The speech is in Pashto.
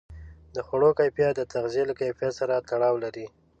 د خوړو کیفیت د تغذیې له کیفیت سره تړاو لري.